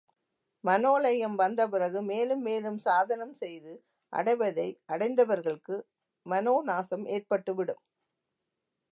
மனோலயம் வந்த பிறகு மேலும் மேலும் சாதனம் செய்து, அடைவதை அடைந்தவர்களுக்கு மனோ நாசம் ஏற்பட்டுவிடும்.